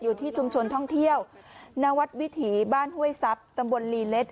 อยู่ที่ชุมชนท่องเที่ยวณวัดวิถีบ้านห้วยทรัพย์ตำบลลีเล็ด